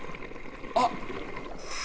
あっ！